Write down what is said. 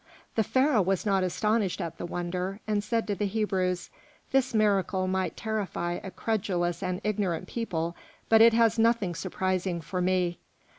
The Pharaoh was not astonished at the wonder, and said to the Hebrews, "This miracle might terrify a credulous and ignorant people, but it has nothing surprising for me.